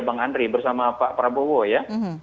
bang andri bersama pak prabowo ya